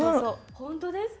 本当ですか？